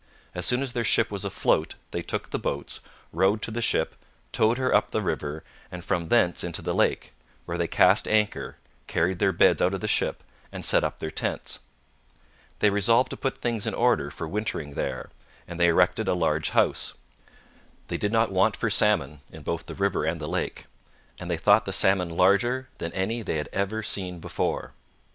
As soon as their ship was afloat they took the boats, rowed to the ship, towed her up the river, and from thence into the lake, where they cast anchor, carried their beds out of the ship, and set up their tents. They resolved to put things in order for wintering there, and they erected a large house. They did not want for salmon, in both the river and the lake; and they thought the salmon larger than any they had ever seen before.